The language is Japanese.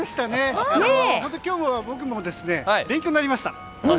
本当に僕も勉強になりました。